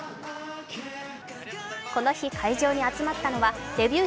この日、会場に集まったのはデビュー